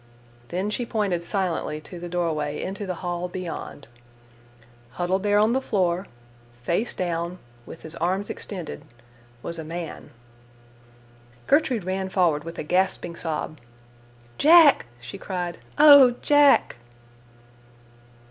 Then she pointed silently to the doorway into the hall beyond. Huddled there on the floor, face down, with his arms extended, was a man. Gertrude ran forward with a gasping sob. "Jack," she cried, "oh, Jack!"